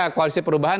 tiga koalisi perubahan